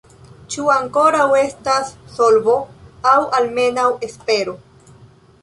Ĉu ankoraŭ estas solvo, aŭ almenaŭ espero?